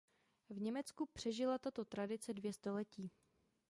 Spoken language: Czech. V Německu přežila tato tradice dvě století.